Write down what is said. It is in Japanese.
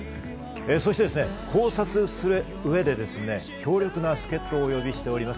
そして考察する上で強力な助っ人をお呼びしております。